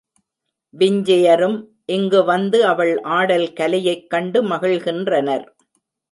விஞ்சையரும் இங்கு வந்து அவள் ஆடல் கலையைக் கண்டு மகிழ்கின்றனர்.